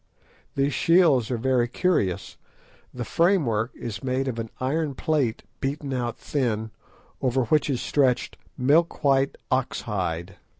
These shields are very curious. The framework is made of an iron plate beaten out thin, over which is stretched milk white ox hide.